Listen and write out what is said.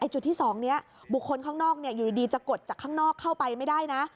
จุดที่๒นี้บุคคลข้างนอกอยู่ดีจะกดจากข้างนอกเข้าไปไม่ได้นะ